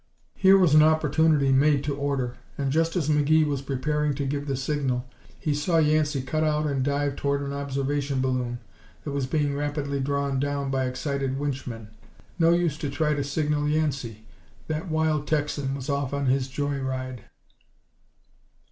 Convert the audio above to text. Here was an opportunity made to order, and just as McGee was preparing to give the signal, he saw Yancey cut out and dive toward an observation balloon that was being rapidly drawn down by excited winchmen. No use to try to signal Yancey; that wild Texan was off on his joy ride.